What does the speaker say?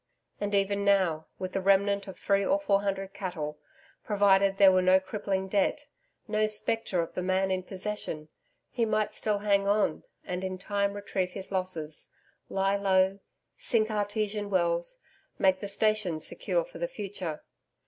And even now, with the remnant of three or four hundred cattle, provided there were no crippling debt, no spectre of the Man in Possession, he might still hang on, and in time retrieve his losses, lie low, sink artesian wells, make the station secure for the future.